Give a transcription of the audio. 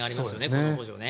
この補助ね。